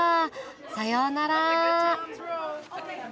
さようなら。